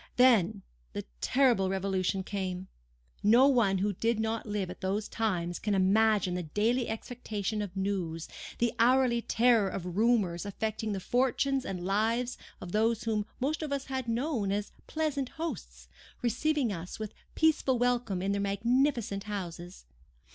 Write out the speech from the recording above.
Then the terrible Revolution came. No one who did not live at those times can imagine the daily expectation of news—the hourly terror of rumours affecting the fortunes and lives of those whom most of us had known as pleasant hosts, receiving us with peaceful welcome in their magnificent houses.